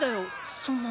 そんなの。